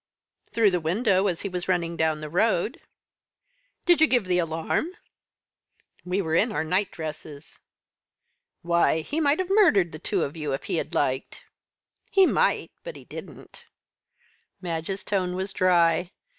"Through the window, as he was running down the road." "Did you give the alarm?" "We were in our night dresses." "Why, he might have murdered the two of you if he had liked." "He might, but he didn't." Madge's tone was dry.